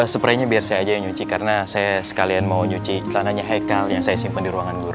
suprainya biar saya aja yang nyuci karena saya sekalian mau nyuci celananya haikal yang saya simpen di ruangan guru